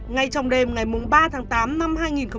ngay trong đêm ngày ba tháng tám năm hai nghìn hai mươi